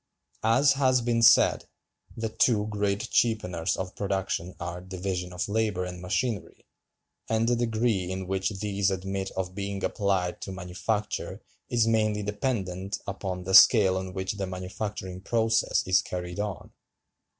As has been said, "the two great cheapeners of production are division of labor and machinery, and the degree in which these admit of being applied to manufacture is mainly dependent upon the scale on which the manufacturing process is carried on.